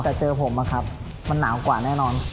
แต่เจอผมอะครับมันหนาวกว่าแน่นอน